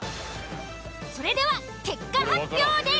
それでは結果発表です。